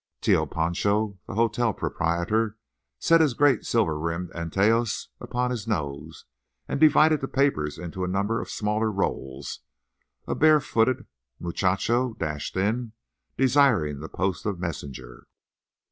Tio Pancho, the hotel proprietor, set his great silver rimmed anteojos upon his nose and divided the papers into a number of smaller rolls. A barefooted muchacho dashed in, desiring the post of messenger.